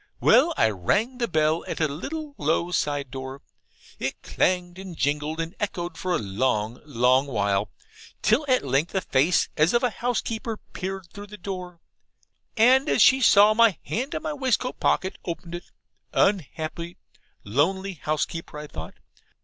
Well I rang the bell at a little low side door; it clanged and jingled and echoed for a long, long while, till at length a face, as of a housekeeper, peered through the door, and, as she saw my hand in my waistcoat pocket, opened it. Unhappy, lonely housekeeper, I thought.